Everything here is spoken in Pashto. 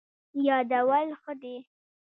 یادول ښه دی.